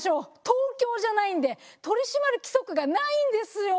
東京じゃないんで取り締まる規則がないんですよ。